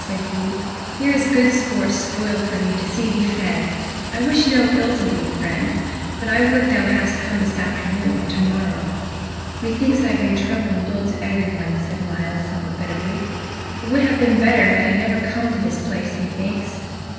said he; "here is good sport spoiled for me to see thee fed. I wish no ill to thee, friend, but I would thou hadst come this afternoon or to morrow." "Methinks I bring trouble and dole to every one," said Myles, somewhat bitterly. "It would have been better had I never come to this place, methinks."